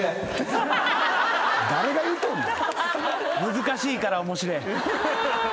難しいから面白え。